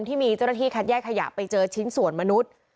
ที่มีเจ้าหน้าที่คัดแยกขยะไปเจอชิ้นส่วนมนุษย์